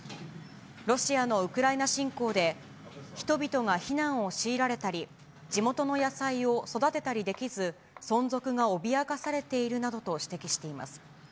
ロシアのウクライナ侵攻で、人々が避難を強いられたり、地元の野菜を育てたりできず、存続が脅かされているなどと指摘しています。